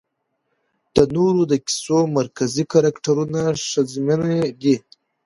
د نورو د کيسو مرکزي کرکټرونه ښځمنې دي